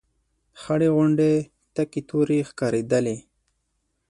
خړې غونډۍ تکې تورې ښکارېدلې.